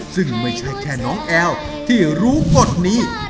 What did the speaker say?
ซึ่งไม่ใช่แค่น้องแอลที่รู้กฎนี้